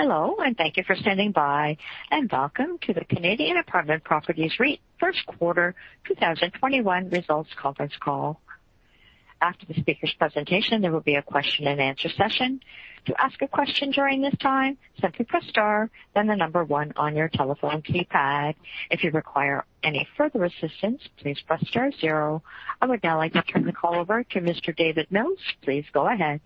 I would now like to turn the call over to Mr. David Mills. Please go ahead.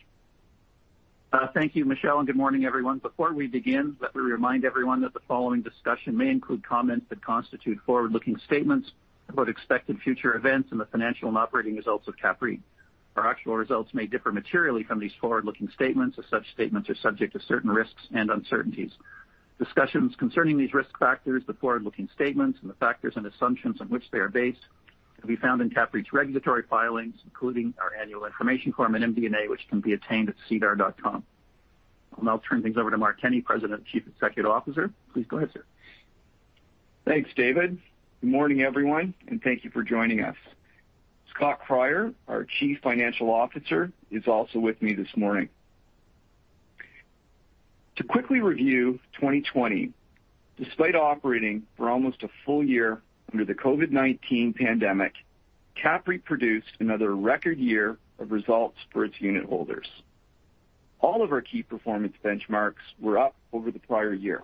Thank you, Michelle, and good morning, everyone. Before we begin, let me remind everyone that the following discussion may include comments that constitute forward-looking statements about expected future events and the financial and operating results of CAPREIT. Our actual results may differ materially from these forward-looking statements as such statements are subject to certain risks and uncertainties. Discussions concerning these risk factors, the forward-looking statements, and the factors and assumptions on which they are based can be found in CAPREIT's regulatory filings, including our annual information form and MD&A, which can be obtained at SEDAR. I'll now turn things over to Mark Kenney, President and Chief Executive Officer. Please go ahead, sir. Thanks, David. Good morning, everyone, and thank you for joining us. Scott Cryer, our Chief Financial Officer, is also with me this morning. To quickly review 2020, despite operating for almost a full year under the COVID-19 pandemic, CAPREIT produced another record year of results for its unitholders. All of our key performance benchmarks were up over the prior year.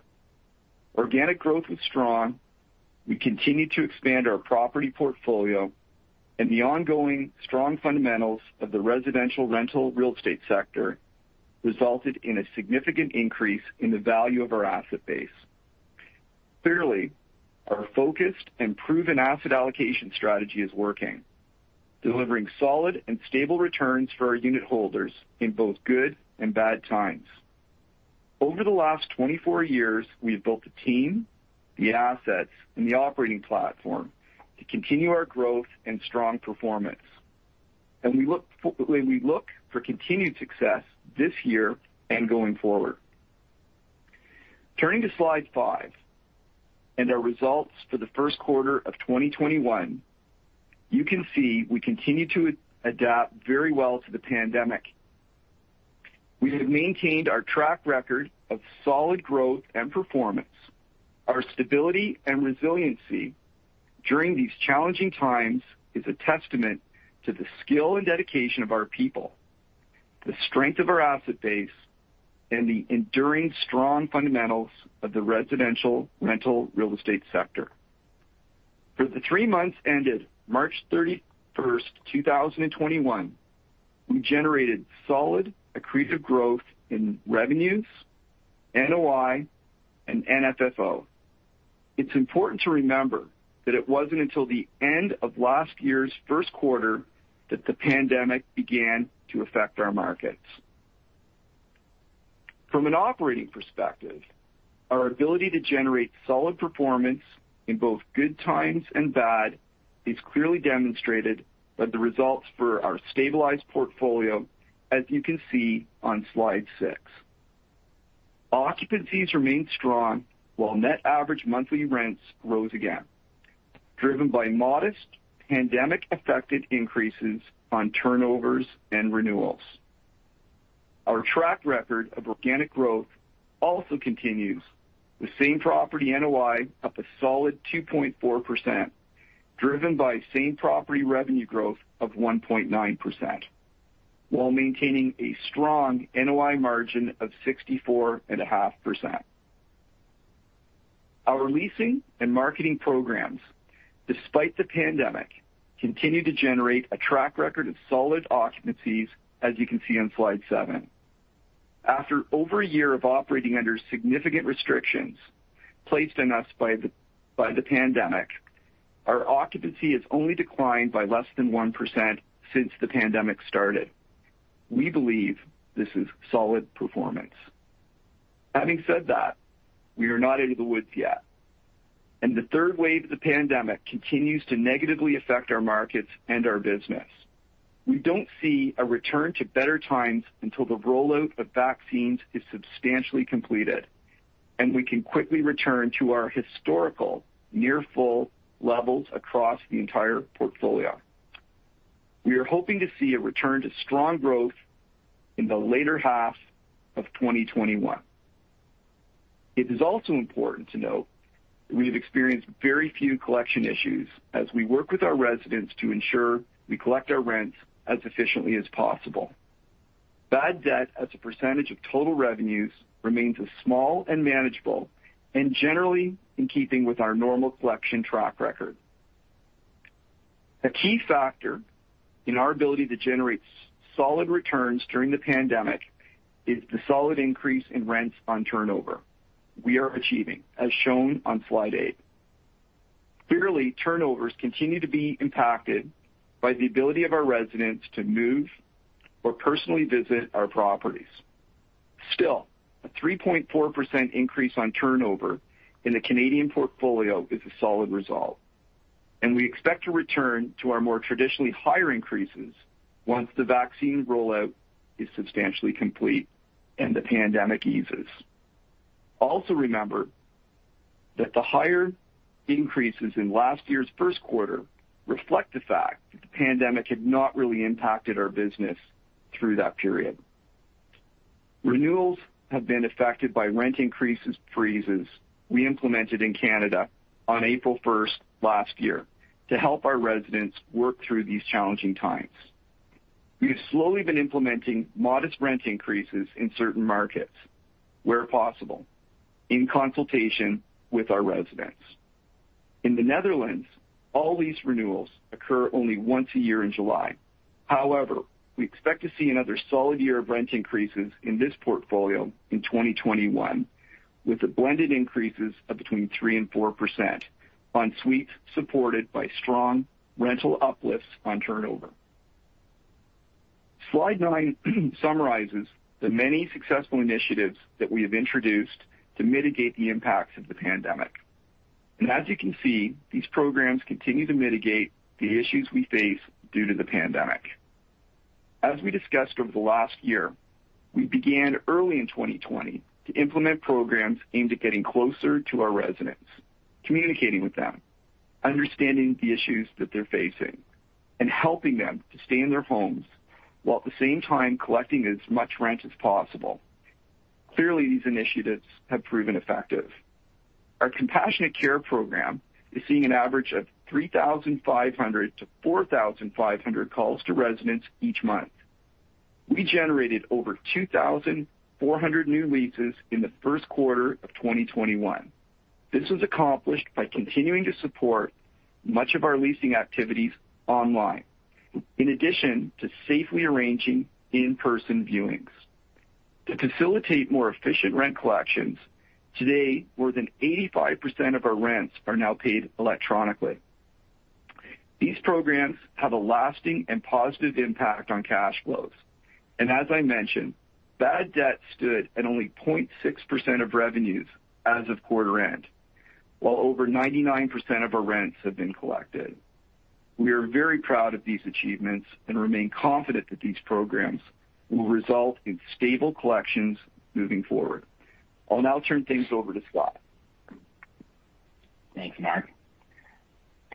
Organic growth was strong. We continued to expand our property portfolio and the ongoing strong fundamentals of the residential rental real estate sector resulted in a significant increase in the value of our asset base. Clearly, our focused and proven asset allocation strategy is working, delivering solid and stable returns for our unitholders in both good and bad times. Over the last 24 years, we've built the team, the assets, and the operating platform to continue our growth and strong performance. We look for continued success this year and going forward. Turning to slide five and our results for the first quarter of 2021. You can see we continue to adapt very well to the pandemic. We have maintained our track record of solid growth and performance. Our stability and resiliency during these challenging times is a testament to the skill and dedication of our people, the strength of our asset base, and the enduring strong fundamentals of the residential rental real estate sector. For the three months ended March 31st, 2021, we generated solid accretive growth in revenues, NOI, and AFFO. It's important to remember that it wasn't until the end of last year's Q1 that the pandemic began to affect our markets. From an operating perspective, our ability to generate solid performance in both good times and bad is clearly demonstrated by the results for our stabilized portfolio, as you can see on slide six. Occupancies remain strong while net average monthly rents rose again, driven by modest pandemic-affected increases on turnovers and renewals. Our track record of organic growth also continues with same property NOI up a solid 2.4%, driven by same property revenue growth of 1.9%, while maintaining a strong NOI margin of 64.5%. Our leasing and marketing programs, despite the pandemic, continue to generate a track record of solid occupancies, as you can see on slide seven. After over a year of operating under significant restrictions placed on us by the pandemic, our occupancy has only declined by less than one percent since the pandemic started. We believe this is solid performance. Having said that, we are not out of the woods yet, and the third wave of the pandemic continues to negatively affect our markets and our business. We don't see a return to better times until the rollout of vaccines is substantially completed and we can quickly return to our historical near full levels across the entire portfolio. We are hoping to see a return to strong growth in the later half of 2021. It is also important to note that we have experienced very few collection issues as we work with our residents to ensure we collect our rents as efficiently as possible. Bad debt as a percentage of total revenues remains small and manageable and generally in keeping with our normal collection track record. A key factor in our ability to generate solid returns during the Pandemic is the solid increase in rents on turnover we are achieving, as shown on slide eight. Clearly, turnovers continue to be impacted by the ability of our residents to move or personally visit our properties. Still, a 3.4% increase on turnover in a Canadian portfolio is a solid result, and we expect to return to our more traditionally higher increases once the vaccine rollout is substantially complete and the Pandemic eases. Also remember that the higher increases in last year's Q1 reflect the fact that the Pandemic had not really impacted our business through that period. Renewals have been affected by rent increases freezes we implemented in Canada on April 1st last year to help our residents work through these challenging times. We have slowly been implementing modest rent increases in certain markets where possible in consultation with our residents. In the Netherlands, all lease renewals occur only once a year in July. However, we expect to see another solid year of rent increases in this portfolio in 2021, with the blended increases of between three percent and four percent on suites supported by strong rental uplifts on turnover. Slide nine summarizes the many successful initiatives that we have introduced to mitigate the impacts of the pandemic. As you can see, these programs continue to mitigate the issues we face due to the pandemic. As we discussed over the last year, we began early in 2020 to implement programs aimed at getting closer to our residents, communicating with them, understanding the issues that they're facing, and helping them to stay in their homes while at the same time collecting as much rent as possible. Clearly, these initiatives have proven effective. Our Compassionate Care program is seeing an average of 3,500 - 4,500 calls to residents each month. We generated over 2,400 new leases in the Q1 of 2021. This was accomplished by continuing to support much of our leasing activities online, in addition to safely arranging in-person viewings. To facilitate more efficient rent collections, today more than 85% of our rents are now paid electronically. These programs have a lasting and positive impact on cash flows. As I mentioned, bad debt stood at only 0.6% of revenues as of quarter end, while over 99% of our rents have been collected. We are very proud of these achievements and remain confident that these programs will result in stable collections moving forward. I'll now turn things over to Scott. Thanks, Mark.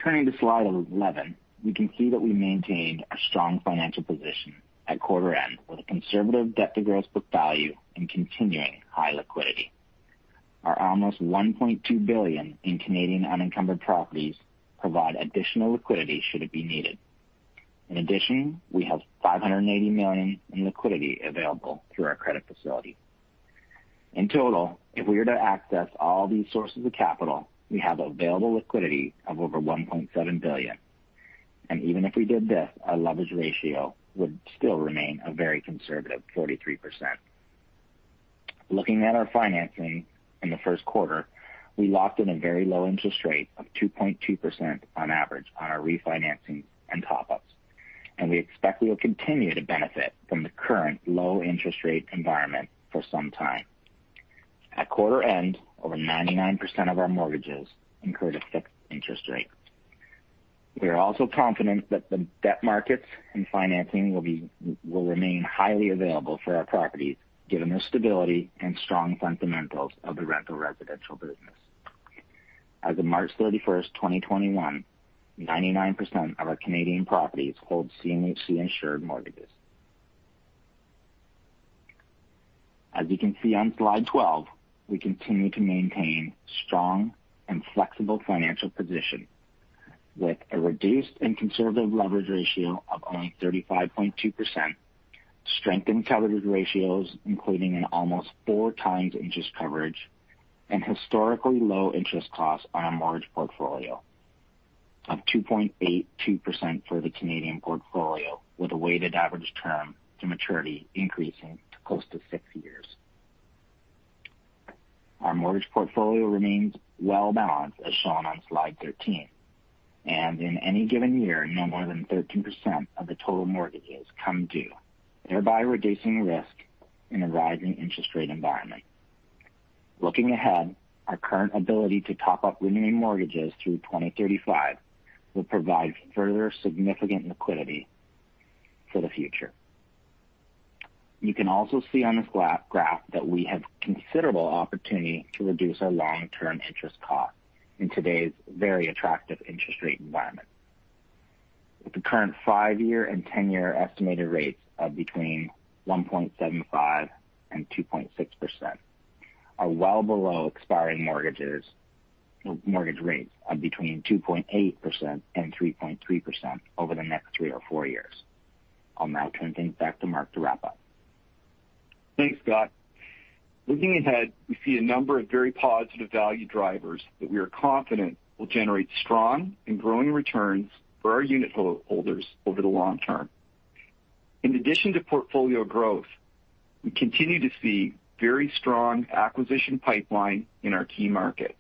Turning to slide 11, we can see that we maintained a strong financial position at quarter end with a conservative debt to gross book value and continuing high liquidity. Our almost 1.2 billion in Canadian unencumbered properties provide additional liquidity should it be needed. In addition, we have 580 million in liquidity available through our credit facility. In total, if we were to access all these sources of capital, we have available liquidity of over 1.7 billion. Even if we did this, our leverage ratio would still remain a very conservative 33%. Looking at our financing in the Q1, we locked in a very low interest rate of 2.2% on average on our refinancing and top-ups, and we expect we'll continue to benefit from the current low interest rate environment for some time. At quarter end, over 99% of our mortgages included fixed interest rates. We are also confident that the debt markets and financing will remain highly available for our properties given the stability and strong fundamentals of the rental residential business. As of March 31st, 2021, 99% of our Canadian properties hold CMHC-insured mortgages. As you can see on slide 12, we continue to maintain strong and flexible financial position with a reduced and conservative leverage ratio of only 35.2%, strengthened coverage ratios, including an almost 4x interest coverage, and historically low interest costs on our mortgage portfolio of 2.82% for the Canadian portfolio, with a weighted average term to maturity increasing to close to six years. Our mortgage portfolio remains well-balanced, as shown on slide 13, and in any given year, no more than 13% of the total mortgages come due, thereby reducing risk in a rising interest rate environment. Looking ahead, our current ability to top up remaining mortgages through 2035 will provide further significant liquidity for the future. You can also see on this graph that we have considerable opportunity to reduce our long-term interest cost in today's very attractive interest rate environment. With the current five year and 10 year estimated rates of between 1.75% and 2.6%, are well below expiring mortgage rates of between 2.8% and 3.3% over the next three or four years. I'll now turn things back to Mark to wrap up. Thanks, Scott. Looking ahead, we see a number of very positive value drivers that we are confident will generate strong and growing returns for our unitholders over the long term. In addition to portfolio growth, we continue to see very strong acquisition pipeline in our key markets.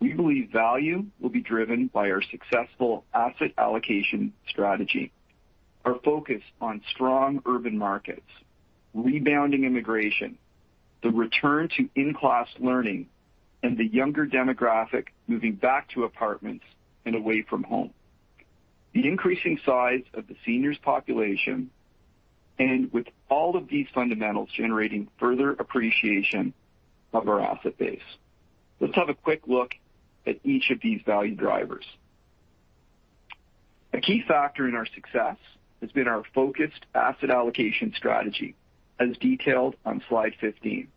We believe value will be driven by our successful asset allocation strategy, our focus on strong urban markets, rebounding immigration, the return to in class learning, and the younger demographic moving back to apartments and away from home. The increasing size of the seniors population, and with all of these fundamentals generating further appreciation of our asset base. Let's have a quick look at each of these value drivers. A key factor in our success has been our focused asset allocation strategy, as detailed on slide 15.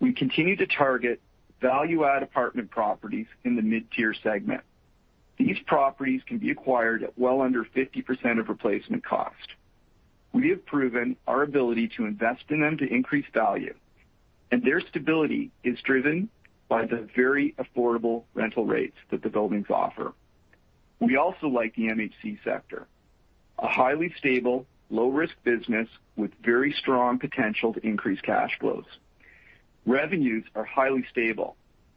We continue to target value add apartment properties in the mid-tier segment. These properties can be acquired at well under 50% of replacement cost. We have proven our ability to invest in them to increase value, and their stability is driven by the very affordable rental rates that the buildings offer. We also like the MHC sector, a highly stable, low risk business with very strong potential to increase cash flows. Revenues are highly stable,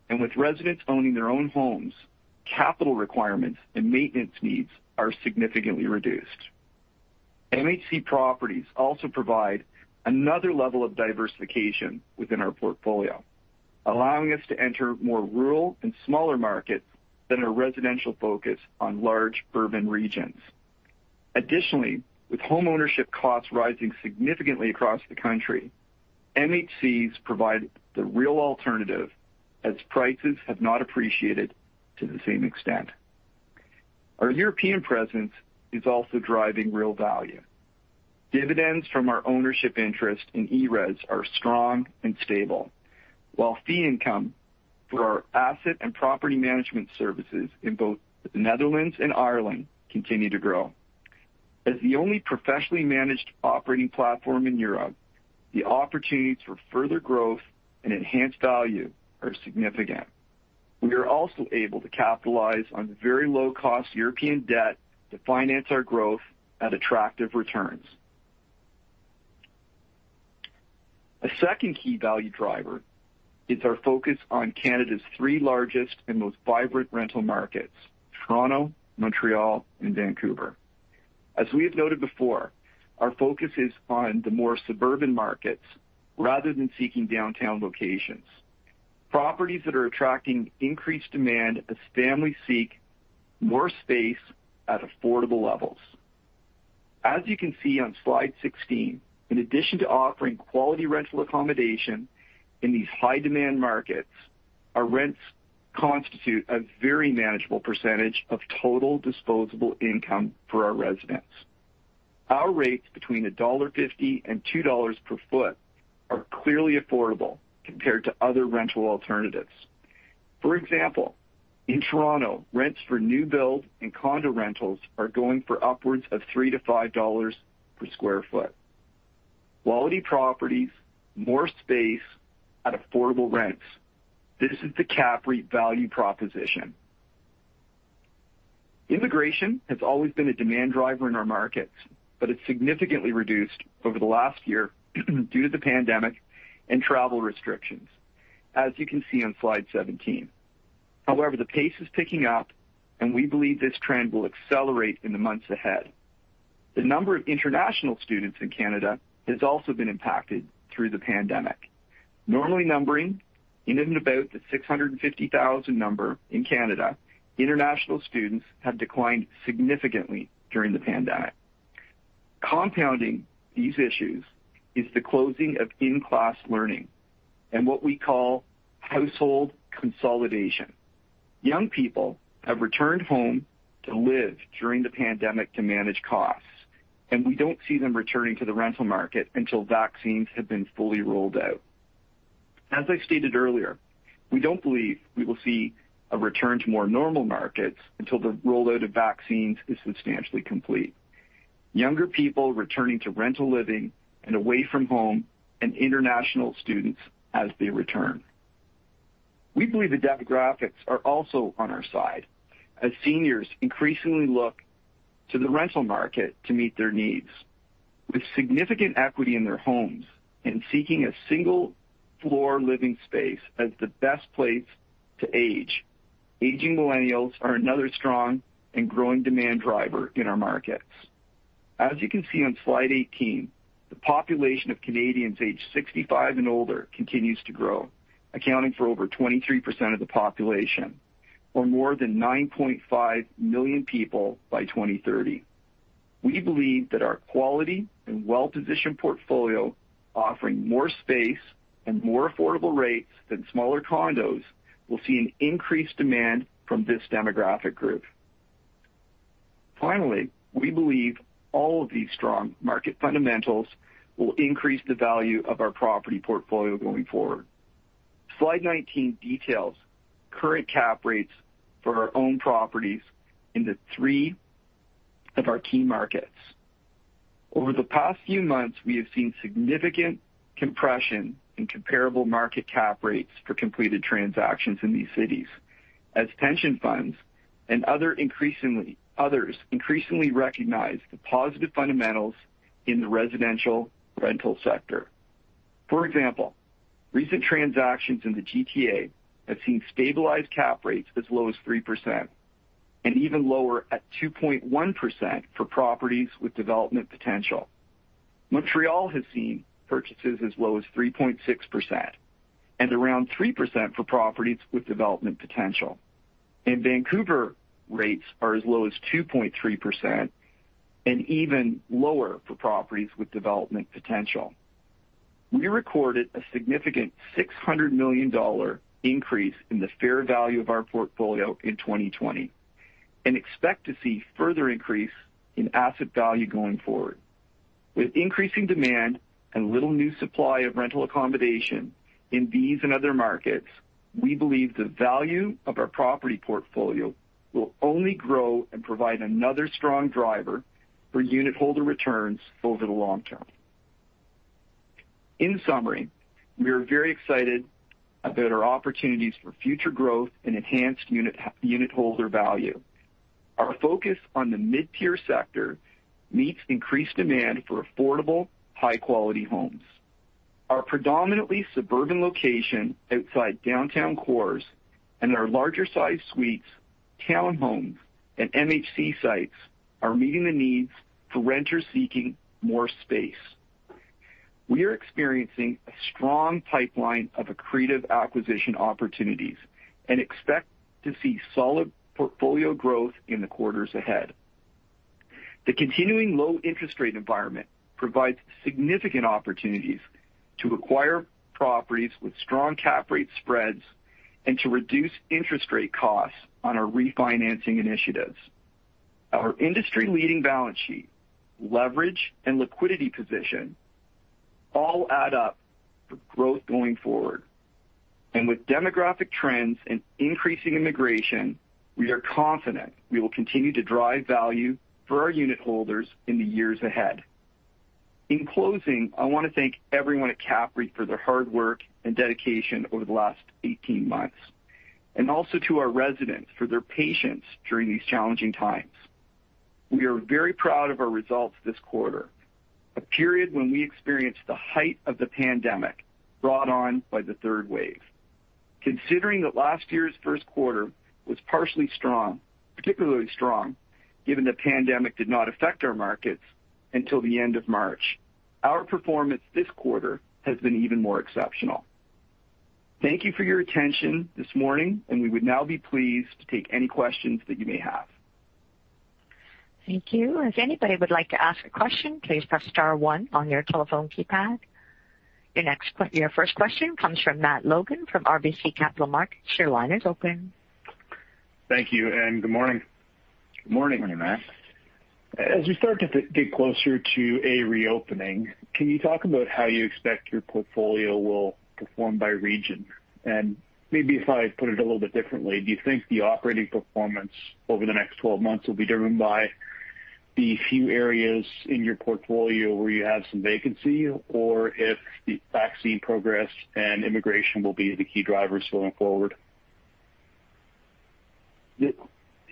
and with residents owning their own homes, capital requirements and maintenance needs are significantly reduced. MHC properties also provide another level of diversification within our portfolio, allowing us to enter more rural and smaller markets than a residential focus on large urban regions. Additionally, with home ownership costs rising significantly across the country, MHCs provide the real alternative as prices have not appreciated to the same extent. Our European presence is also driving real value. Dividends from our ownership interest in ERES are strong and stable, while fee income for our asset and property management services in both the Netherlands and Ireland continue to grow. As the only professionally managed operating platform in Europe, the opportunities for further growth and enhanced value are significant. We are also able to capitalize on very low-cost European debt to finance our growth at attractive returns. A second key value driver is our focus on Canada's three largest and most vibrant rental markets, Toronto, Montreal, and Vancouver. As we have noted before, our focus is on the more suburban markets rather than seeking downtown locations. Properties that are attracting increased demand as families seek more space at affordable levels. As you can see on slide 16, in addition to offering quality rental accommodation in these high-demand markets, our rents constitute a very manageable percentage of total disposable income for our residents. Our rates between dollar 1.50 and 2 dollars per foot are clearly affordable compared to other rental alternatives. For example, in Toronto, rents for new builds and condo rentals are going for upwards of 3-5 dollars per square foot. Quality properties, more space at affordable rents. This is the CAPREIT value proposition. Immigration has always been a demand driver in our markets, but it's significantly reduced over the last year due to the pandemic and travel restrictions, as you can see on slide 17. However, the pace is picking up, and we believe this trend will accelerate in the months ahead. The number of international students in Canada has also been impacted through the pandemic. Normally numbering in and about the 650,000 number in Canada, international students have declined significantly during the pandemic. Compounding these issues is the closing of in class learning and what we call household consolidation. Young people have returned home to live during the pandemic to manage costs, we don't see them returning to the rental market until vaccines have been fully rolled out. As I stated earlier, we don't believe we will see a return to more normal markets until the rollout of vaccines is substantially complete. Younger people returning to rental living and away from home and international students as they return. We believe the demographics are also on our side, as seniors increasingly look to the rental market to meet their needs. With significant equity in their homes and seeking a single floor living space as the best place to age, aging millennials are another strong and growing demand driver in our markets. As you can see on slide 18, the population of Canadians aged 65 and older continues to grow, accounting for over 23% of the population or more than 9.5 million people by 2030. We believe that our quality and well positioned portfolio offering more space and more affordable rates than smaller condos will see an increased demand from this demographic group. Finally, we believe all of these strong market fundamentals will increase the value of our property portfolio going forward. Slide 19 details current cap rates for our own properties in the three of our key markets. Over the past few months, we have seen significant compression in comparable market cap rates for completed transactions in these cities as pension funds and others increasingly recognize the positive fundamentals in the residential rental sector. For example, recent transactions in the GTA have seen stabilized cap rates as low as three percent and even lower at 2.1% for properties with development potential. Montreal has seen purchases as low as 3.6% and around three percent for properties with development potential. In Vancouver, rates are as low as 2.3% and even lower for properties with development potential. We recorded a significant 600 million dollar increase in the fair value of our portfolio in 2020 and expect to see further increase in asset value going forward. With increasing demand and little new supply of rental accommodation in these and other markets, we believe the value of our property portfolio will only grow and provide another strong driver for unitholder returns over the long term. In summary, we are very excited about our opportunities for future growth and enhanced unitholder value. Our focus on the mid-tier sector meets increased demand for affordable, high quality homes. Our predominantly suburban location outside downtown cores and our larger size suites, townhomes, and MHC sites are meeting the needs for renters seeking more space. We are experiencing a strong pipeline of accretive acquisition opportunities and expect to see solid portfolio growth in the quarters ahead. The continuing low interest rate environment provides significant opportunities to acquire properties with strong cap rate spreads and to reduce interest rate costs on our refinancing initiatives. Our industry leading balance sheet, leverage, and liquidity position all add up for growth going forward. With demographic trends and increasing immigration, we are confident we will continue to drive value for our unitholders in the years ahead. In closing, I want to thank everyone at CAPREIT for their hard work and dedication over the last 18 months, and also to our residents for their patience during these challenging times. We are very proud of our results this quarter, a period when we experienced the height of the pandemic brought on by the third wave. Considering that last year's Q1 was particularly strong, given the pandemic did not affect our markets until the end of March, our performance this quarter has been even more exceptional. Thank you for your attention this morning. We would now be pleased to take any questions that you may have. Thank you. If anybody would like to ask a question, please press star one on your telephone keypad. Your first question comes from Matthew Logan from RBC Capital Markets. Your line is open. Thank you, and good morning. Good morning, Matt. As we start to get closer to a reopening, can you talk about how you expect your portfolio will perform by region? Maybe if I put it a little bit differently, do you think the operating performance over the next 12 months will be driven by the few areas in your portfolio where you have some vacancy, or if the vaccine progress and immigration will be the key drivers going forward?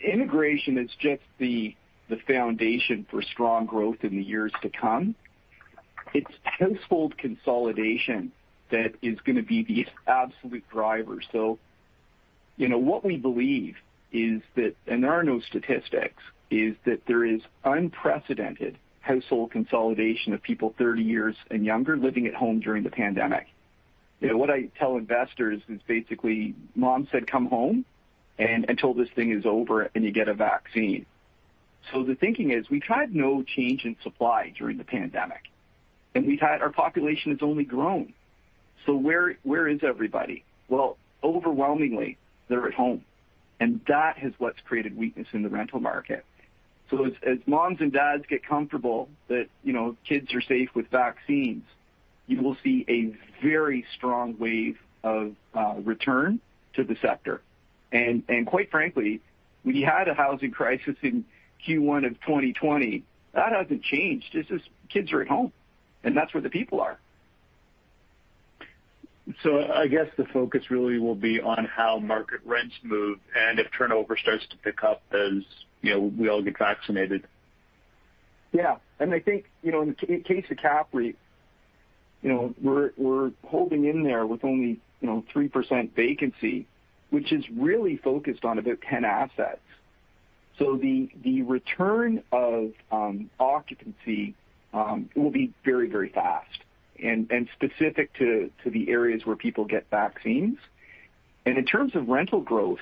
Immigration is just the foundation for strong growth in the years to come. It's household consolidation that is going to be the absolute driver. What we believe is that, and there are no statistics, is that there is unprecedented household consolidation of people 30 years and younger living at home during the pandemic. What I tell investors is basically mom said, "Come home until this thing is over and you get a vaccine." The thinking is we've had no change in supply during the pandemic, and our population has only grown. Where is everybody? Well, overwhelmingly, they're at home, and that is what's created weakness in the rental market. As moms and dads get comfortable that kids are safe with vaccines, you will see a very strong wave of return to the sector. Quite frankly, when you had a housing crisis in Q1 of 2020, that hasn't changed. It's just kids are at home, and that's where the people are. I guess the focus really will be on how market rents move and if turnover starts to pick up as we all get vaccinated. Yeah. I think, in the case of CAPREIT, we're holding in there with only three percent vacancy, which is really focused on about 10 assets. The return of occupancy will be very fast and specific to the areas where people get vaccines. In terms of rental growth,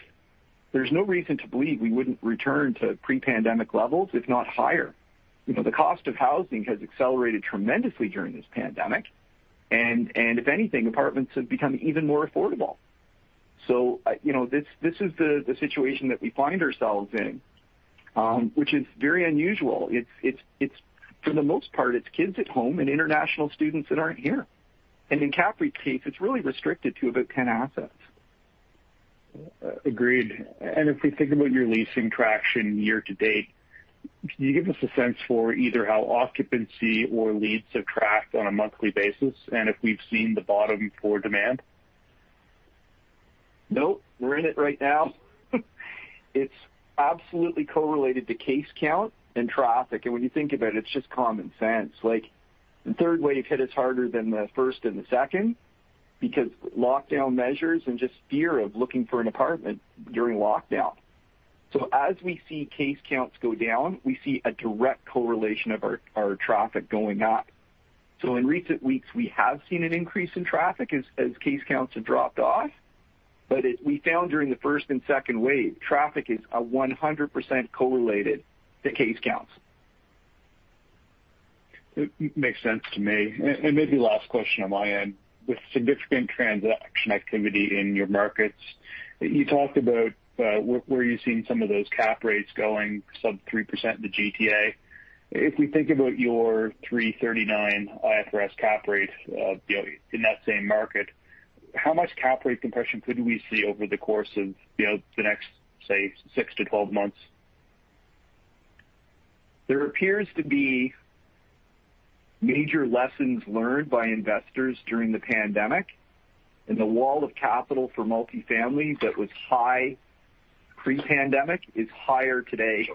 there's no reason to believe we wouldn't return to pre-pandemic levels, if not higher. The cost of housing has accelerated tremendously during this pandemic, and if anything, apartments have become even more affordable. This is the situation that we find ourselves in, which is very unusual. For the most part, it's kids at home and international students that aren't here. In CAPREIT's case, it's really restricted to about 10 assets. Agreed. If we think about your leasing traction year to date, can you give us a sense for either how occupancy or leads have tracked on a monthly basis and if we've seen the bottom for demand? No, we're in it right now. It's absolutely correlated to case count and traffic. When you think about it's just common sense. The third wave hit us harder than the first and the second because lockdown measures and just fear of looking for an apartment during lockdown. As we see case counts go down, we see a direct correlation of our traffic going up. In recent weeks, we have seen an increase in traffic as case counts have dropped off. We found during the first and second wave, traffic is 100% correlated to case counts. It makes sense to me. Maybe last question on my end. With significant transaction activity in your markets, you talked about where you're seeing some of those cap rates going sub three percent in the GTA. If we think about your 339 IFRS cap rate in that same market, how much cap rate compression could we see over the course of the next, say, six - 12 months? There appears to be major lessons learned by investors during the pandemic, and the wall of capital for multifamily that was high pre-pandemic is higher today.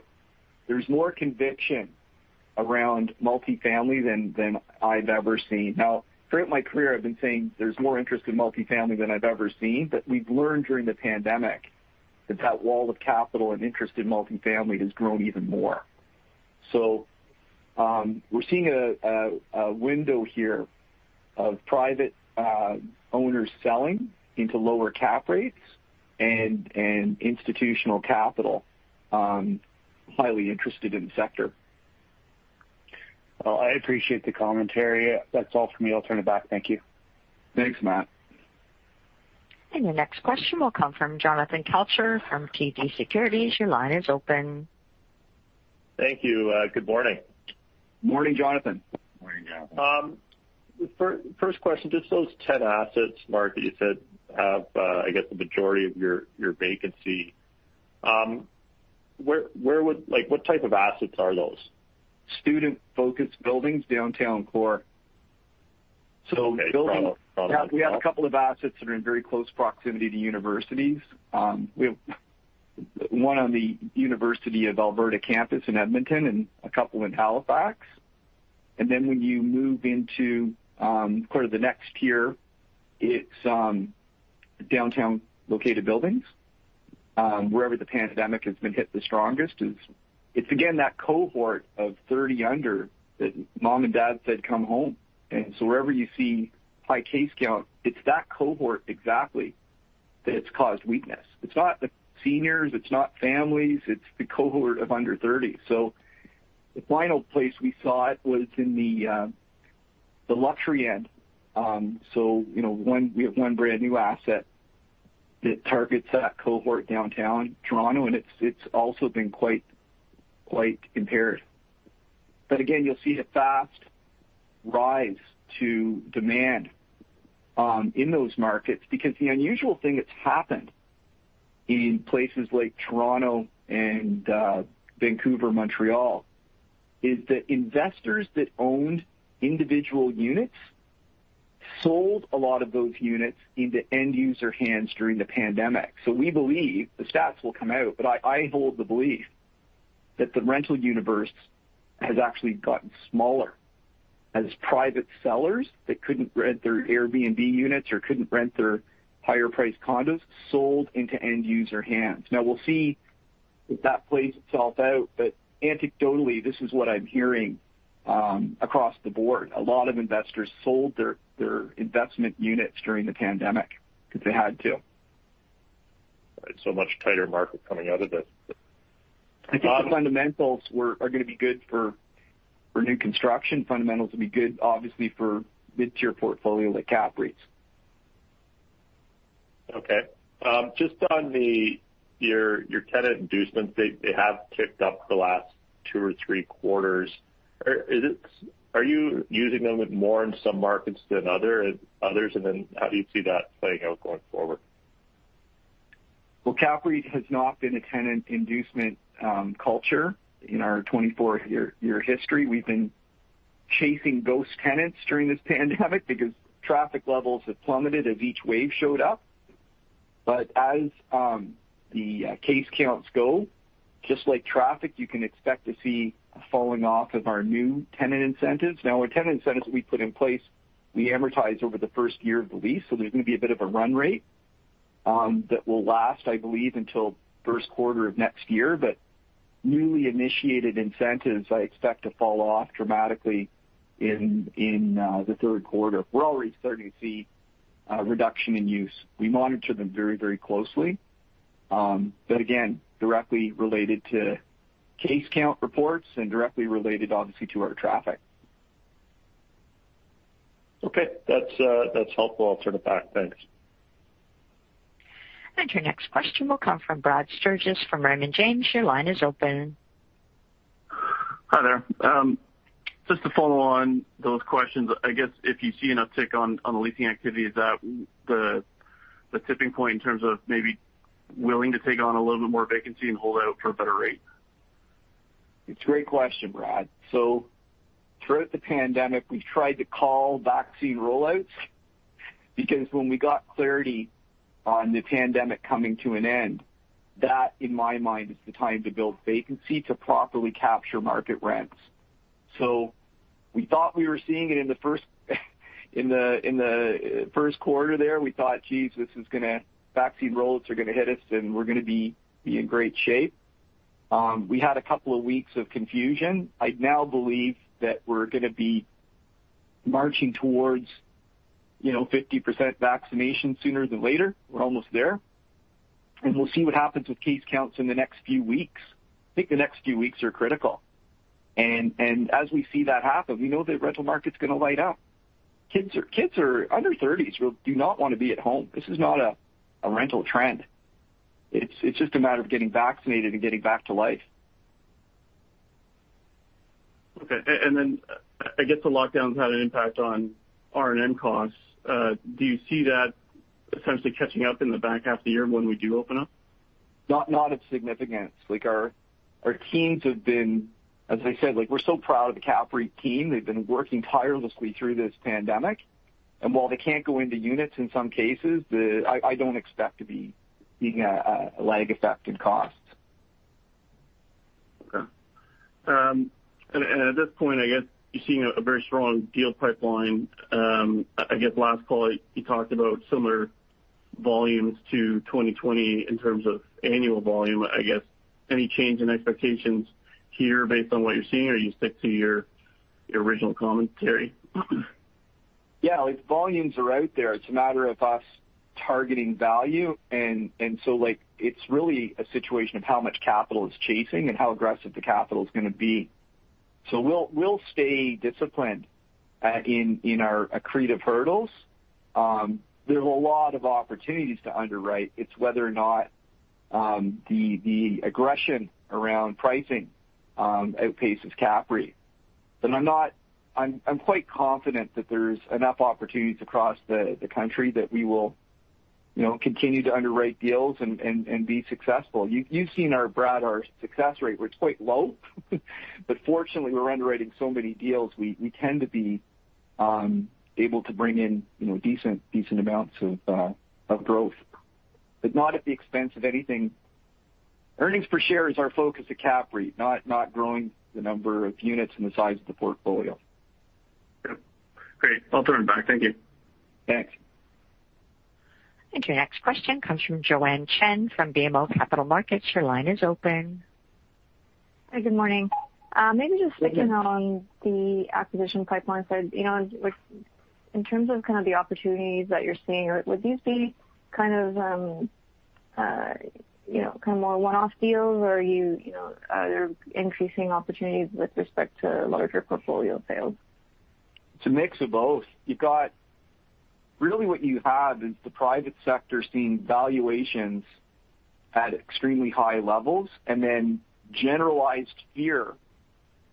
There's more conviction around multifamily than I've ever seen. Now, throughout my career, I've been saying there's more interest in multifamily than I've ever seen. We've learned during the pandemic that that wall of capital and interest in multifamily has grown even more. We're seeing a window here of private owners selling into lower cap rates and institutional capital highly interested in the sector. Well, I appreciate the commentary. That's all for me. I'll turn it back. Thank you. Thanks, Matt. The next question will come from Jonathan Kelcher from TD Securities. Your line is open. Thank you. Good morning. Morning, Jonathan. Morning. First question, just those 10 assets, Mark, that you said have, I guess, the majority of your vacancy. What type of assets are those? Student focused buildings, downtown core. Okay. Yeah, we have a couple of assets that are in very close proximity to universities. We have one on the University of Alberta campus in Edmonton and a couple in Halifax. When you move into sort of the next tier, it's downtown located buildings. Wherever the pandemic has been hit the strongest, it's again that cohort of 30 under that mom and dad said, "Come home." Wherever you see high case count, it's that cohort exactly that's caused weakness. It's not the seniors, it's not families, it's the cohort of under 30. The final place we saw it was in the luxury end. We have one brand new asset that targets that cohort downtown Toronto, and it's also been quite impaired. Again, you'll see a fast rise to demand in those markets because the unusual thing that's happened in places like Toronto and Vancouver, Montreal, is that investors that owned individual units sold a lot of those units into end user hands during the pandemic. We believe the stats will come out. I hold the belief that the rental universe has actually gotten smaller as private sellers that couldn't rent their Airbnb units or couldn't rent their higher priced condos sold into end user hands. We'll see if that plays itself out, but anecdotally, this is what I'm hearing across the board. A lot of investors sold their investment units during the pandemic because they had to. Much tighter market coming out of it. Fundamentals are going to be good for new construction. Fundamentals will be good, obviously, for mid-tier portfolio like CAPREIT's. Okay. Just on your tenant inducements, they have ticked up the last two or three quarters. Are you using them more in some markets than others? How do you see that playing out going forward? Well, CAPREIT has not been a tenant inducement culture in our 24-year history. We've been chasing ghost tenants during this pandemic because traffic levels have plummeted as each wave showed up. As the case counts go, just like traffic, you can expect to see a falling off of our new tenant incentives. Now our tenant incentives we put in place, we amortize over the first year of the lease. There's going to be a bit of a run rate that will last, I believe, until Q1 of next year. Newly initiated incentives I expect to fall off dramatically in the Q3. We're already starting to see a reduction in use. We monitor them very closely. Again, directly related to case count reports and directly related, obviously, to our traffic. Okay. That's helpful. I'll turn it back. Thanks. Your next question will come from Brad Sturges from Raymond James. Your line is open. Hi there. Just to follow on those questions, I guess if you see an uptick on the leasing activity, is that the tipping point in terms of maybe willing to take on a little bit more vacancy and hold out for a better rate? It's a great question, Brad. Throughout the pandemic, we've tried to call vaccine rollouts because when we got clarity on the pandemic coming to an end, that in my mind is the time to build vacancy to properly capture market rents. So we thought we were seeing it in the Q1 there. We thought, geez, vaccine rolls are going to hit us and we're going to be in great shape. We had a couple of weeks of confusion. I now believe that we're going to be marching towards 50% vaccination sooner than later. We're almost there. We'll see what happens with case counts in the next few weeks. I think the next few weeks are critical. As we see that happen, we know the rental market's going to light up. Kids or under 30s do not want to be at home. This is not a rental trend. It's just a matter of getting vaccinated and getting back to life. Okay. I guess the lockdowns had an impact on R&M costs. Do you see that essentially catching up in the back half of the year when we do open up? Not of significance. Our teams have been, as I said, we're so proud of the CAPREIT team. They've been working tirelessly through this pandemic, and while they can't go into units in some cases, I don't expect to be seeing a lag effect in cost. Okay. At this point, I guess you're seeing a very strong deal pipeline. I guess last call, you talked about similar volumes to 2020 in terms of annual volume. I guess, any change in expectations here based on what you're seeing or you stick to your original commentary? Yeah. Volumes are out there. It's a matter of us targeting value, and so it's really a situation of how much capital it's chasing and how aggressive the capital is going to be. We'll stay disciplined in our accretive hurdles. There's a lot of opportunities to underwrite. It's whether or not the aggression around pricing outpaces CAPREIT. I'm quite confident that there's enough opportunities across the country that we will continue to underwrite deals and be successful. You've seen our success rate, we're quite low. Fortunately, we're underwriting so many deals, we tend to be able to bring in decent amounts of growth, but not at the expense of anything. Earnings per share is our focus at CAPREIT, not growing the number of units and the size of the portfolio. Great. I'll turn it back. Thank you. Thanks. Your next question comes from Joanne Chen from BMO Capital Markets. Your line is open. Hi, good morning. Good morning. Maybe just touching on the acquisition pipeline first. In terms of the opportunities that you're seeing, would you see more one off deals? Are there increasing opportunities with respect to larger portfolio sales? It's a mix of both. Really what you have is the private sector seeing valuations at extremely high levels and then generalized fear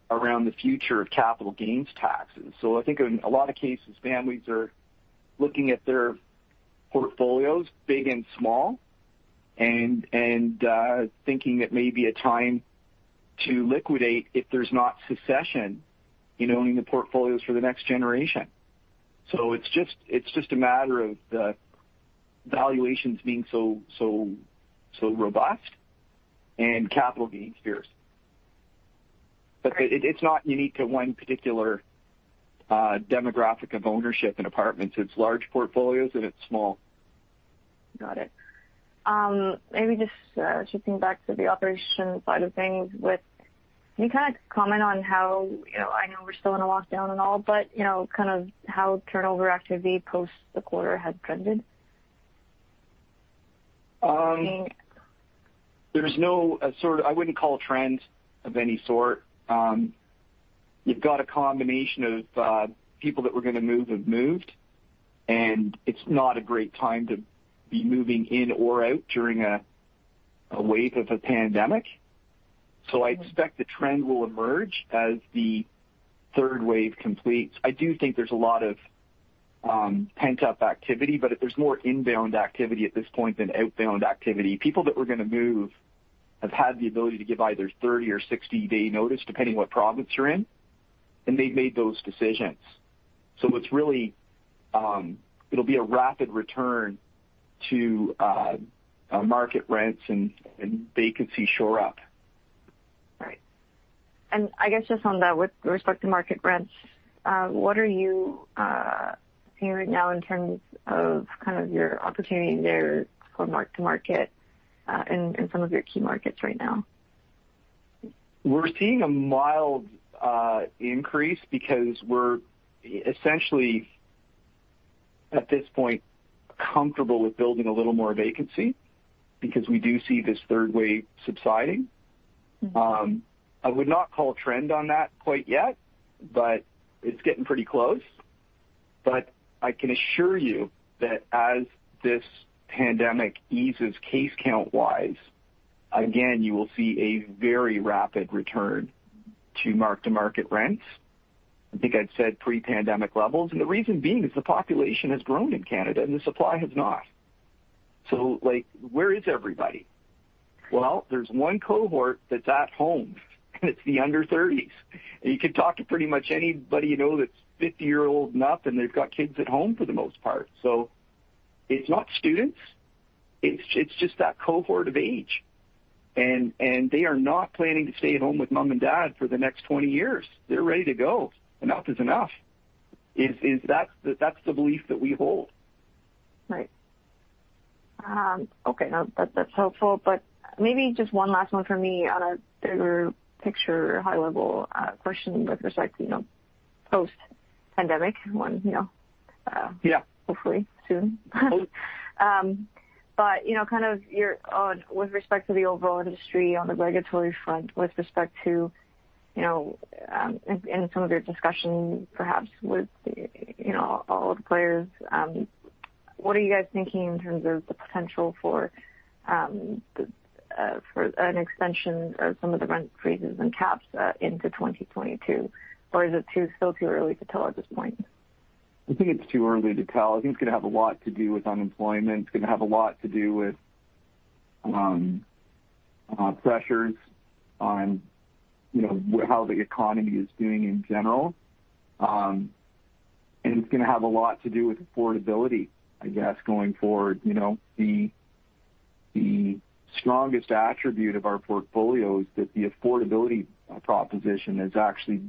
around the future of capital gains taxes. I think in a lot of cases, families are looking at their portfolios, big and small, and thinking it may be a time to liquidate if there's not succession in owning the portfolios for the next generation. It's just a matter of the valuations being so robust and capital gains fears. It's not unique to one particular demographic of ownership in apartments. It's large portfolios and it's small. Got it. Maybe just switching back to the operations side of things. Can you kind of comment on how, I know we're still in a lockdown and all, kind of how turnover activity post the quarter has trended? There's no sort of, I wouldn't call trends of any sort. You've got a combination of people that were going to move, have moved, and it's not a great time to be moving in or out during a wave of a pandemic. I expect a trend will emerge as the third wave completes. I do think there's a lot of pent-up activity, but there's more inbound activity at this point than outbound activity. People that were going to move have had the ability to give either 30 or 60 day notice, depending what province you're in, and they've made those decisions. It'll be a rapid return to market rents and vacancy shore up. Right. I guess just on that, with respect to market rents, what are you seeing right now in terms of kind of your opportunity there from market to market in some of your key markets right now? We're seeing a mild increase because we're essentially, at this point, comfortable with building a little more vacancy because we do see this third wave subsiding. I would not call a trend on that quite yet, it's getting pretty close. I can assure you that as this pandemic eases case count wise, again, you will see a very rapid return to mark-to-market rents. I think I'd said pre-pandemic levels. The reason being is the population has grown in Canada and the supply has not. Where is everybody? Well, there's one cohort that's at home. It's the under 30s. You can talk to pretty much anybody you know that's 50 years old and up, and they've got kids at home for the most part. It's not students. It's just that cohort of age, and they are not planning to stay at home with mom and dad for the next 20 years. They're ready to go. Enough is enough. That's the belief that we hold. Right. Okay. No, that's helpful. Maybe just one last one from me on a bigger picture, high-level question with respect to post-pandemic. Yeah hopefully soon. With respect to the overall industry on the regulatory front, in some of your discussions perhaps with all the players, what are you guys thinking in terms of the potential for an extension of some of the rent freezes and caps into 2022? Is it still too early to tell at this point? I think it's too early to tell. I think it's going to have a lot to do with unemployment. It's going to have a lot to do with pressures on how the economy is doing in general. It's going to have a lot to do with affordability, I guess, going forward. The strongest attribute of our portfolio is that the affordability proposition has actually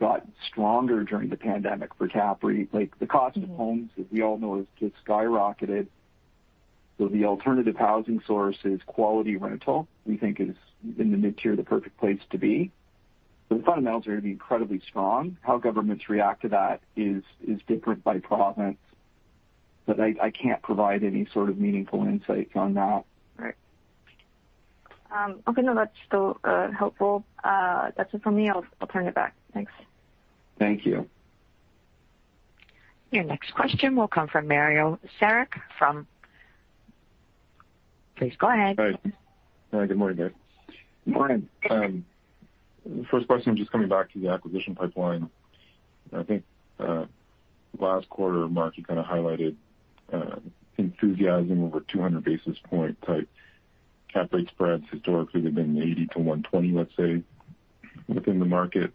gotten stronger during the pandemic for CAPREIT. The cost of homes, as we all know, has just skyrocketed. The alternative housing source is quality rental, we think is in the mid-tier the perfect place to be. The fundamentals are going to be incredibly strong. How governments react to that is different by province, but I can't provide any sort of meaningful insight on that. Right. Okay. No, that's still helpful. That's it for me. I'll turn it back. Thanks. Thank you. The next question will come from Mario Saric from. Please go ahead. Hi. Good morning, guys. Morning. First question, just coming back to the acquisition pipeline. I think last quarter Mark you kind of highlighted enthusiasm over 200 basis point type cap rate spreads historically have been 80-120, let's say, within the market.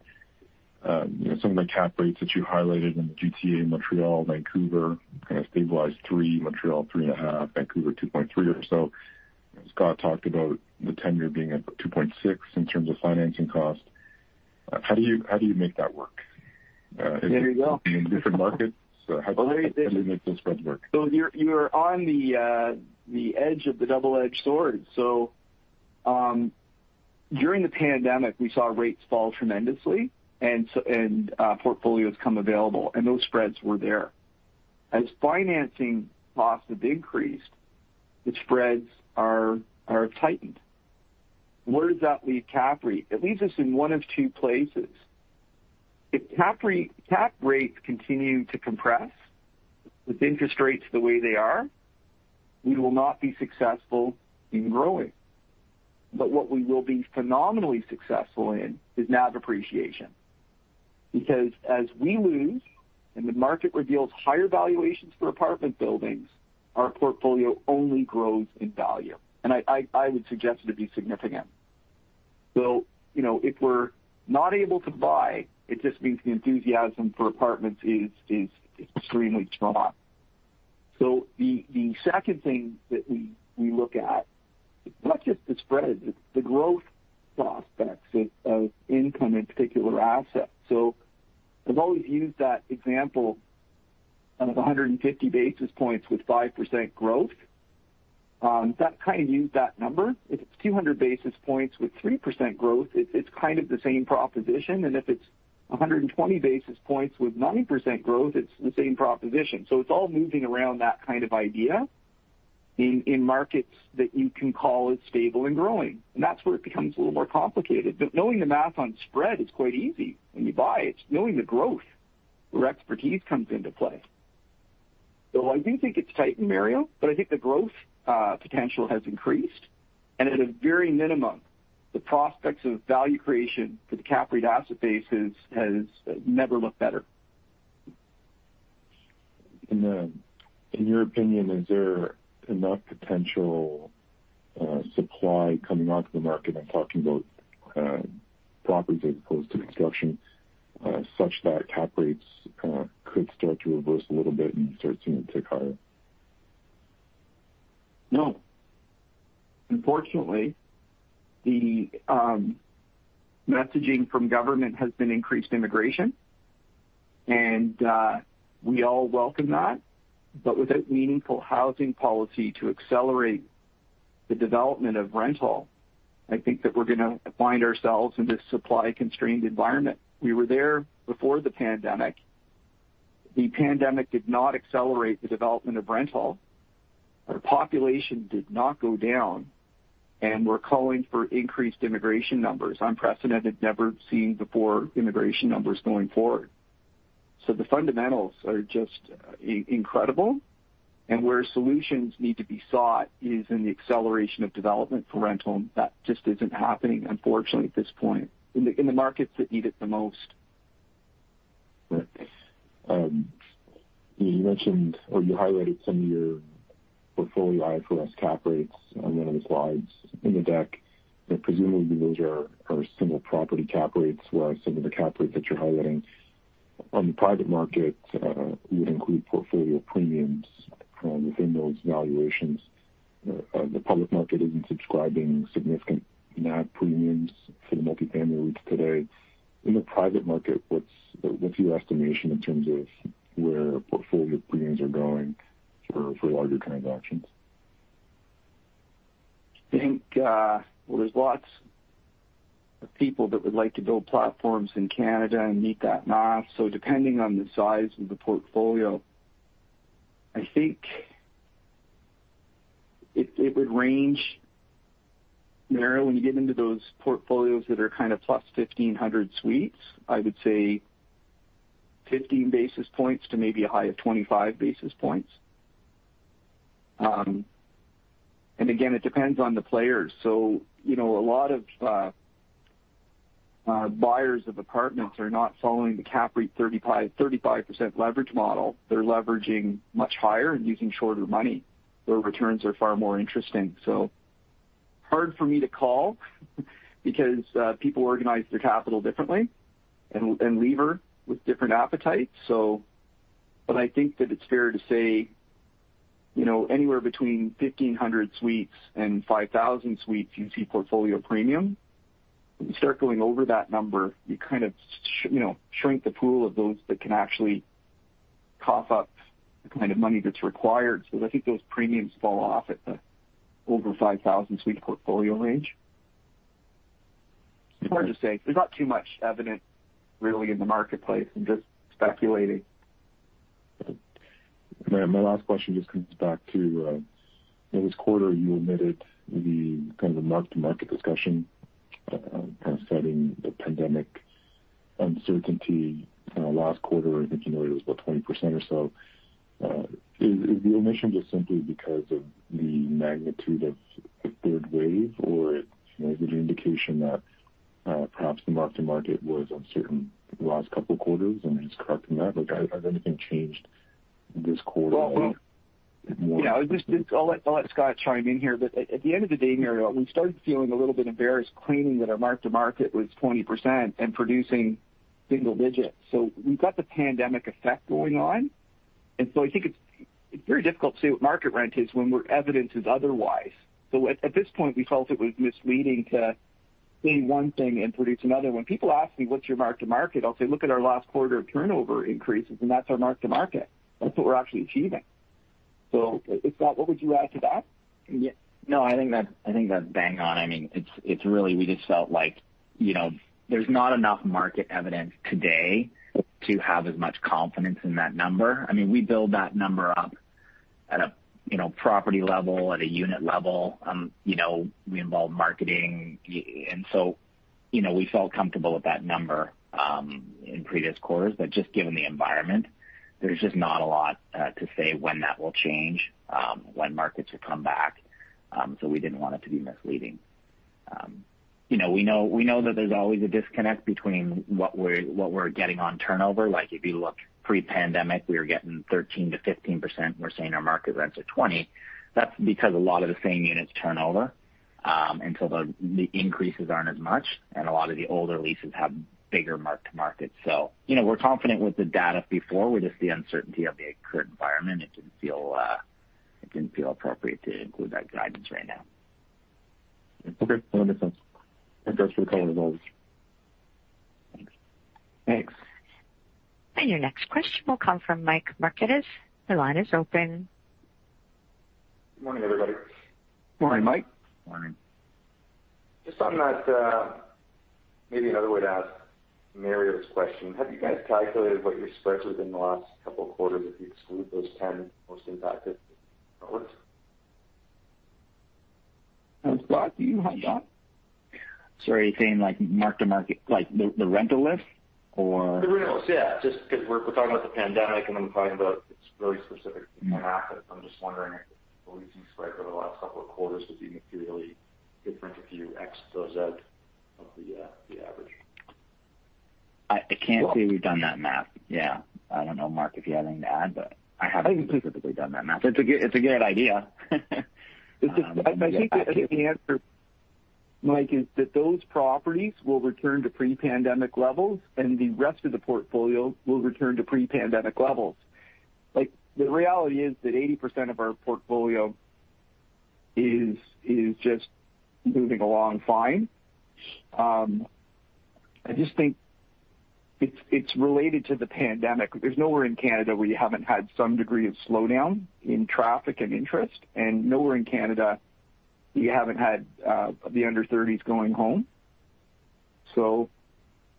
Some of the cap rates that you highlighted in the GTA, Montreal, Vancouver, kind of stabilized three, Montreal three and a half, Vancouver 2.3 or so. Scott talked about the tenure being at 2.6 in terms of financing cost. How do you make that work? There you go. In different markets. Well. How do you make those spreads work? You're on the edge of the double-edged sword. During the pandemic, we saw rates fall tremendously and portfolios come available, and those spreads were there. As financing costs have increased, the spreads are tightened. Where does that leave CAPREIT? It leaves us in one of two places. If cap rates continue to compress with interest rates the way they are, we will not be successful in growing. But what we will be phenomenally successful in is NAV appreciation. Because as we lose and the market reveals higher valuations for apartment buildings, our portfolio only grows in value, and I would suggest it would be significant. If we're not able to buy, it just means the enthusiasm for apartments is extremely strong. The second thing that we look at is not just the spreads, it's the growth prospects of income in particular assets. I've always used that example of 150 basis points with five percent growth. That kind of used that number. If it's 200 basis points with three percent growth, it's kind of the same proposition. If it's 120 basis points with nine percent growth, it's the same proposition. It's all moving around that kind of idea in markets that you can call as stable and growing. That's where it becomes a little more complicated. Knowing the math on spread is quite easy when you buy it. It's knowing the growth where expertise comes into play. I do think it's tightened, Mario, but I think the growth potential has increased. At a very minimum, the prospects of value creation for the cap rate asset base has never looked better. In your opinion, is there enough potential supply coming onto the market? I'm talking about properties as opposed to construction, such that cap rates could start to reverse a little bit and you start seeing them tick higher? No. Unfortunately, the messaging from government has been increased immigration. We all welcome that, but without meaningful housing policy to accelerate the development of rental, I think that we're going to find ourselves in this supply-constrained environment. We were there before the pandemic. The pandemic did not accelerate the development of rental. Our population did not go down, and we're calling for increased immigration numbers, unprecedented, never seen before immigration numbers going forward. The fundamentals are just incredible. Where solutions need to be sought is in the acceleration of development for rental, and that just isn't happening unfortunately at this point in the markets that need it the most. Right. You mentioned or you highlighted some of your portfolio IFRS cap rates on one of the slides in the deck. Presumably, those are single property cap rates where some of the cap rates that you're highlighting on the private market, we would include portfolio premiums within those valuations. The public market isn't describing significant NAV premiums for multifamily today. In the private market, what's your estimation in terms of where portfolio premiums are going for larger transactions? I think there's lots of people that would like to build platforms in Canada and meet that NAV. Depending on the size of the portfolio, I think it would range narrowly and get into those portfolios that are kind of plus 1,500 suites. I would say 15 basis points to maybe a high of 25 basis points. Again, it depends on the players. A lot of buyers of apartments are not following the cap rate 35% leverage model. They're leveraging much higher and using shorter money. Their returns are far more interesting. Hard for me to call because people organize their capital differently and lever with different appetites. I think that it's fair to say anywhere between 1,500 suites and 5,000 suites, you see portfolio premium. When you start going over that number, you kind of shrink the pool of those that can actually cough up the kind of money that's required. I think those premiums fall off at the over 5,000 suite portfolio range. It's hard to say. There's not too much evidence really in the marketplace. I'm just speculating. My last question just comes back to, in this quarter, you omitted the kind of mark-to-market discussion, kind of citing the pandemic uncertainty. Last quarter, I think you noted it was about 20% or so. Is the omission just simply because of the magnitude of the third wave, or is it an indication that perhaps the mark-to-market was uncertain the last couple of quarters and you're just correcting that? Has anything changed this quarter more? Yeah. I'll let Scott chime in here. At the end of the day, Mario, we started feeling a little bit embarrassed claiming that our mark-to-market was 20% and producing single digits. We've got the pandemic effect going on, and so I think it's very difficult to say what market rent is when we're evidenced otherwise. At this point, we felt it was misleading to say one thing and produce another. When people ask me, "What's your mark-to-market?" I'll say, "Look at our last quarter turnover increases, and that's our mark-to-market. That's what we're actually achieving." Scott, what would you add to that? No, I think that's bang on. We just felt like there's not enough market evidence today to have as much confidence in that number. We build that number up at a property level, at a unit level. We involve marketing. We felt comfortable with that number in previous quarters. Just given the environment, there's just not a lot to say when that will change, when markets will come back. We didn't want it to be misleading. We know that there's always a disconnect between what we're getting on turnover. If you look pre-pandemic, we were getting 13%-15% versus our market rents of 20. That's because a lot of the same units turnover, and so the increases aren't as much, and a lot of the older leases have bigger mark-to-markets. We're confident with the data before, with just the uncertainty of the current environment, it didn't feel appropriate to include that guidance right now. Okay. No, makes sense. Thanks for the call as always. Thanks. Thanks. Your next question will come from Michael Markidis. The line is open. Good morning, everybody. Morning, Mike. Morning. Just on that, maybe another way to ask Mario's question, have you guys calculated what your spreads have been the last couple of quarters if you exclude those 10 most impacted properties? Scott, do you have that? Are you saying mark-to-market, like the rental lifts or? The rentals, yeah. Just because we're talking about the pandemic and I'm talking about this really specific MHC, I'm just wondering what you spread for the last couple of quarters would be materially different if you X those out of the average. I can't say we've done that math. Yeah. I don't know, Mark, if you have anything to add, but I haven't specifically done that math. It's a good idea. I think the answer, Mike, is that those properties will return to pre-pandemic levels and the rest of the portfolio will return to pre-pandemic levels. The reality is that 80% of our portfolio is just moving along fine. I just think it's related to the pandemic. There's nowhere in Canada where you haven't had some degree of slowdown in traffic and interest, and nowhere in Canada where you haven't had the under 30s going home.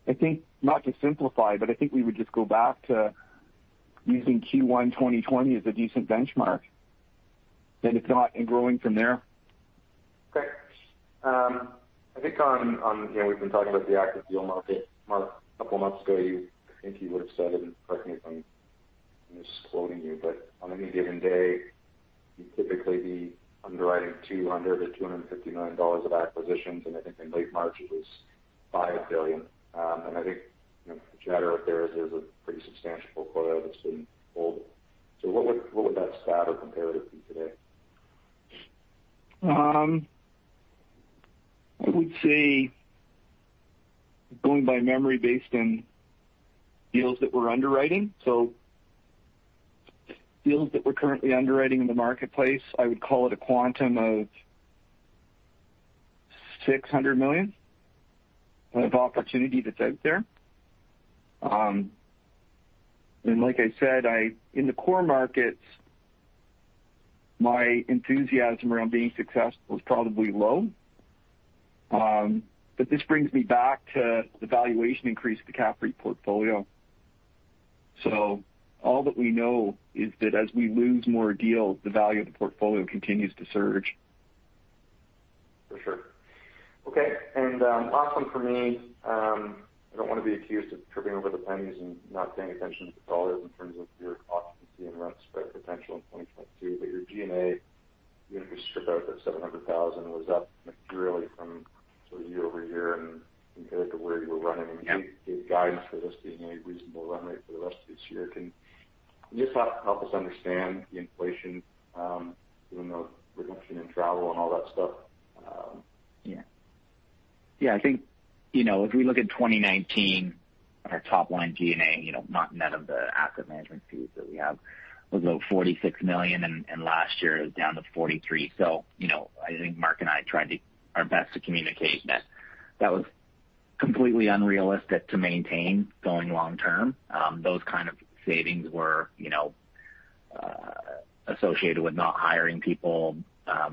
I think, not to simplify, but I think we would just go back to using Q1 2020 as a decent benchmark, and growing from there. Okay. I think we've been talking about the active deal market. Mark, a couple of months ago, I think you had said, and correct me if I'm misquoting you, but on any given day, you'd typically be underwriting 200 million-250 million dollars of acquisitions, and I think in late March it was 5 billion. I think the chatter out there is a pretty substantial quota that's been pulled. What would that stack or compare with you today? I would say, going by memory based on deals that we're underwriting. Deals that we're currently underwriting in the marketplace, I would call it a quantum of 600 million of opportunity that's out there. Like I said, in the core markets, my enthusiasm around being successful is probably low. This brings me back to the valuation increase of the CAPREIT portfolio. All that we know is that as we lose more deals, the value of the portfolio continues to surge. For sure. Okay. Last one for me. I don't want to be accused of tripping over the pennies and not paying attention to the dollars in terms of your occupancy and rent spend potential in 2022, but your G&A, even if you strip out that 700,000, was up really from year-over-year and compared to where you were running. Yep. Can you give guidance for this being a reasonable run rate for the rest of this year? Can you just help us understand the inflation, even though reduction in travel and all that stuff? Yeah. I think if we look at 2019, our top-line G&A, not net of the asset management fees that we have, was about 46 million, and last year it was down to 43 million. I think Mark and I tried our best to communicate that was completely unrealistic to maintain going long term. Those kind of savings were associated with not hiring people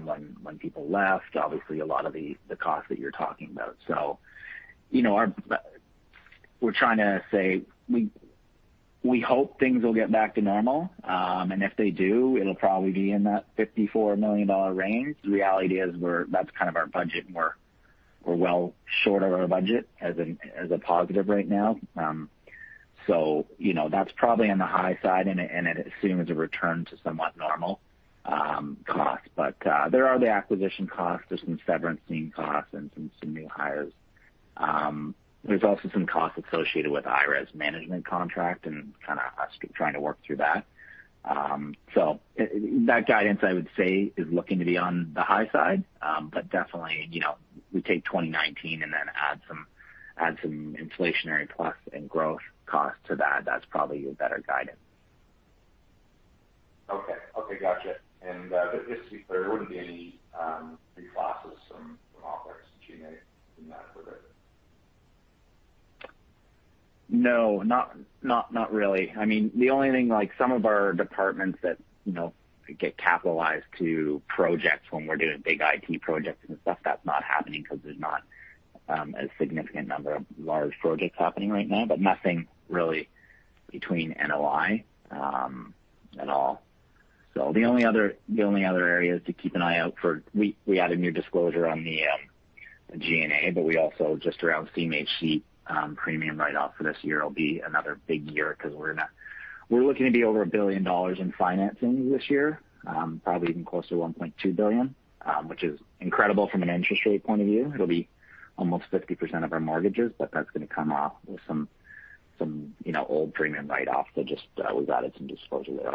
when people left. Obviously, a lot of the cost that you're talking about. We're trying to say we hope things will get back to normal. If they do, it'll probably be in that 54 million dollar range. The reality is that's kind of our budget, we're well short of our budget as a positive right now. That's probably on the high side, it assumes a return to somewhat normal cost. There are the acquisition costs. There's some severancing costs and some new hires. There's also some costs associated with IRES management contract and kind of us trying to work through that. That guidance, I would say, is looking to be on the high side. Definitely, we take 2019 and then add some inflationary plus and growth cost to that. That's probably a better guidance. Okay, got you. Just to be clear, there wouldn't be any reclasses from operations G&A in that revenue? No, not really. Some of our departments that get capitalized to projects when we're doing big IT projects and stuff, that's not happening because there's not a significant number of large projects happening right now, but nothing really between NOI at all. The only other area is to keep an eye out for. We added new disclosure on the G&A, but we also just around CMHC premium write-off for this year will be another big year because we're looking to be over 1 billion dollars in financing this year, probably even close to 1.2 billion, which is incredible from an interest rate point of view. It'll be almost 50% of our mortgages, but that's going to come off with some old premium write-off. Just we added some disclosure there.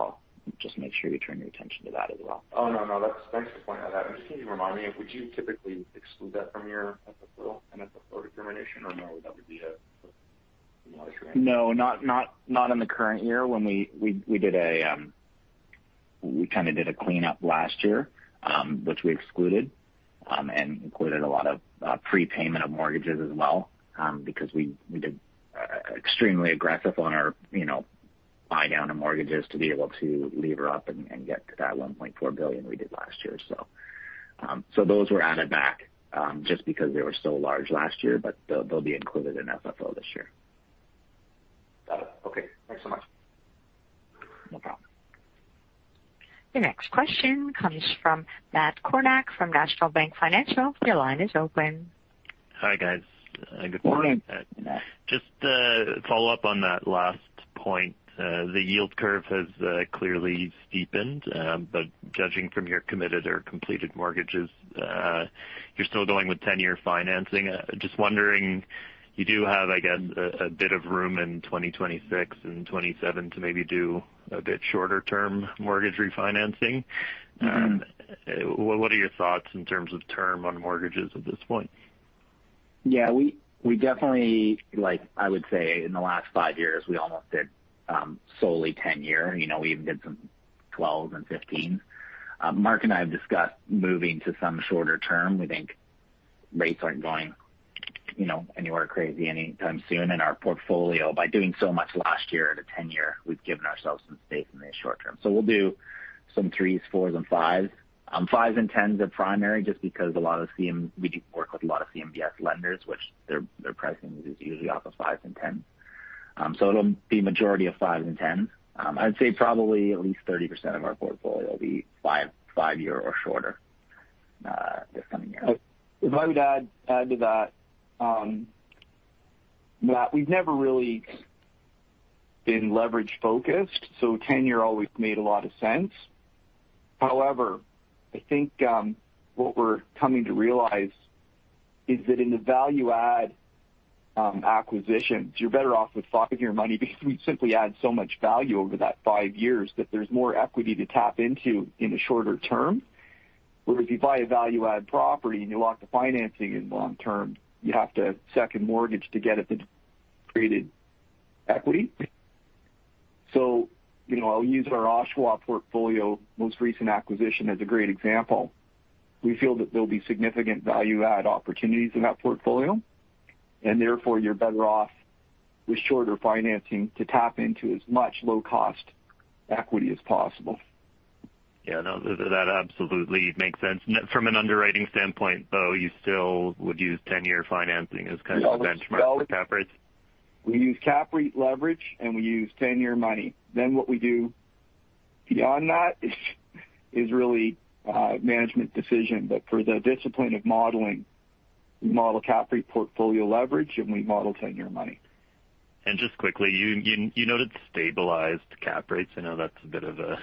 Just make sure you turn your attention to that as well. Oh, no. Thanks for pointing that out. Just remind me, would you typically exclude that from your FFO determination or no? No, not in the current year. We did a cleanup last year, which we excluded, and included a lot of prepayment of mortgages as well because we did extremely aggressive on our buy-down of mortgages to be able to lever up and get to that 1.4 billion we did last year. Those were added back just because they were so large last year, but they'll be included in FFO this year. Got it. Okay. Thanks so much. No problem. The next question comes from Matt Kornack from National Bank Financial. Your line is open. Hi, guys. Morning, Matt. Just to follow up on that last point. The yield curve has clearly steepened, but judging from your committed or completed mortgages, you're still going with 10-year financing. Just wondering, you do have, I guess, a bit of room in 2026 and 2027 to maybe do a bit shorter-term mortgage refinancing? What are your thoughts in terms of term on mortgages at this point? I would say in the last five years, we almost did solely 10-year. We even did some 12 and 15. Mark Kenney and I have discussed moving to some shorter term. We think rates aren't going anywhere crazy anytime soon in our portfolio. By doing so much last year at a 10-year, we've given ourselves some safety in the short term. We'll do some threes, fours, and fives. fives and 10s are primary just because we do work with a lot of CMBS lenders, which their pricing is usually off of 5s and 10s. It'll be majority of 5s and 10s. I'd say probably at least 30% of our portfolio will be five year or shorter this coming year. If I may add to that, Matt Kornack, we've never really been leverage-focused, 10-year always made a lot of sense. However, I think what we're coming to realize is that in the value add. Acquisitions. You're better off with locking your money because we simply add so much value over that five years that there's more equity to tap into in a shorter term. Whereas if you buy a value-add property and you lock the financing in long-term, you have to second mortgage to get at the created equity. I'll use our Oshawa portfolio most recent acquisition as a great example. We feel that there'll be significant value add opportunities in that portfolio, and therefore you're better off with shorter financing to tap into as much low-cost equity as possible. Yeah. No, that absolutely makes sense. From an underwriting standpoint, though, you still would use 10-year financing as kind of a benchmark for cap rates? We use cap rate leverage and we use 10-year money. What we do beyond that is really a management decision. For the discipline of modeling, we model cap rate portfolio leverage and we model 10-year money. Just quickly, you noted stabilized cap rates. I know that's a bit of a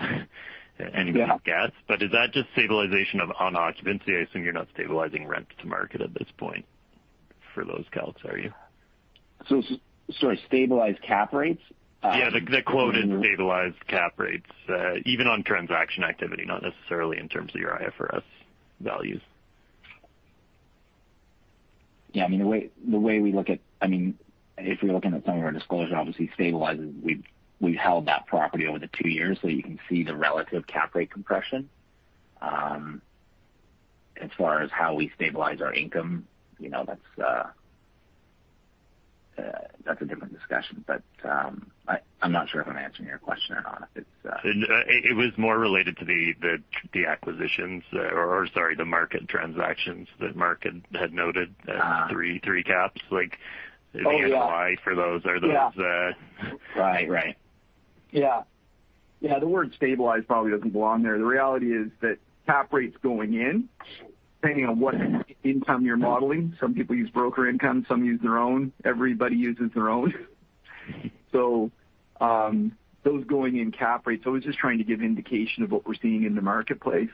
end guess, is that just stabilization of unoccupancy? I assume you're not stabilizing rent to market at this point for those calcs, are you? Sorry, stabilized cap rates? Yeah, the quoted stabilized cap rates even on transaction activity, not necessarily in terms of your IFRS values. Yeah, if we look in the summary and disclosure, obviously stabilizing, we held that property over two years, so you can see the relative cap rate compression. As far as how we stabilize our income, that's a different discussion. I'm not sure if I'm answering your question or not. It was more related to the acquisitions or, sorry, the market transactions that Mark had noted at three caps. Oh, yeah. Like the ROI for those or. Yeah. Right. Right. Yeah. The word stabilized probably doesn't belong there. The reality is that cap rates going in, depending on what income you're modeling, some people use broker income, some use their own. Everybody uses their own. Those going in cap rates, I was just trying to give indication of what we're seeing in the marketplace.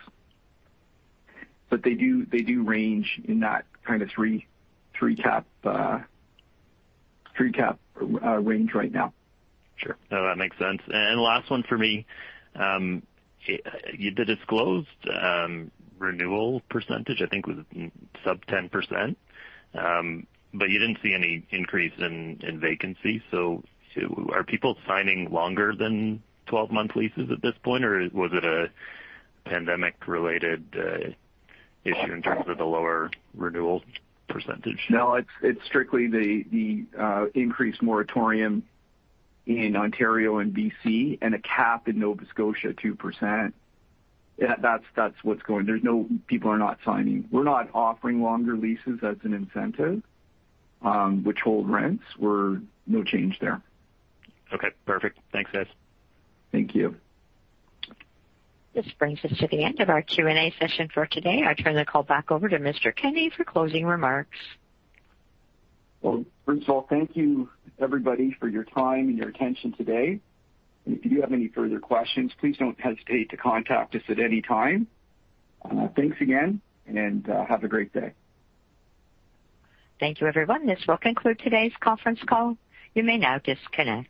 They do range in that kind of three-cap range right now. Sure. No, that makes sense. Last one for me. You did disclose renewal percentage, I think it was sub 10%, but you didn't see any increase in vacancy. Are people signing longer than 12-month leases at this point, or was it a pandemic-related issue in terms of the lower renewal percentage? No, it's strictly the increased moratorium in Ontario and BC and a cap in Nova Scotia at 2%. That's what's going. People are not signing. We're not offering longer leases as an incentive, which hold rents were no change there. Okay, perfect. Thanks, guys. Thank you. This brings us to the end of our Q&A session for today. I turn the call back over to Mr. Kenney for closing remarks. First of all, thank you everybody for your time and your attention today. If you have any further questions, please don't hesitate to contact us at any time. Thanks again, and have a great day. Thank you, everyone. This will conclude today's conference call. You may now disconnect.